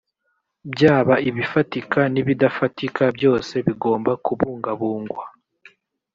byaba ibifatika n ibidafatika byose bigomba kubungabungwa